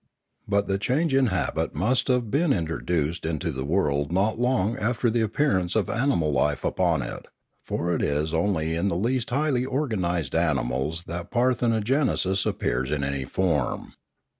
But the change in habit must have been introduced into the world not long after the appearance of animal life upon it; for it is only in the least highly organised animals that par thenogenesis appears in any form.